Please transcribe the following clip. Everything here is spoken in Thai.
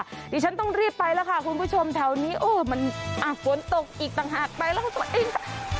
เดี๋ยวฉันต้องรีบไปแล้วค่ะคุณผู้ชมแถวนี้โอ้มันฝนตกอีกต่างหากไปแล้วตัวเอง